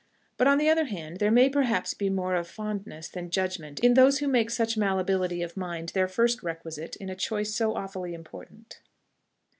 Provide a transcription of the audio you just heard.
But, on the other hand, there may perhaps be more of fondness than judgment in those who make such mallability of mind their first requisite in a choice so awfully important.